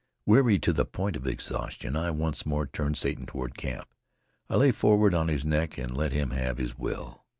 Weary to the point of exhaustion, I once more turned Satan toward camp. I lay forward on his neck and let him have his will.